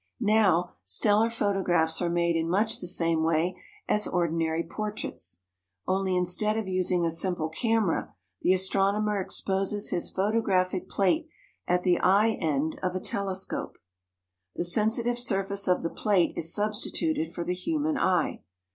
Now, stellar photographs are made in much the same way as ordinary portraits. Only, instead of using a simple camera, the astronomer exposes his photographic plate at the eye end of a telescope. The sensitive surface of the plate is substituted for the human eye.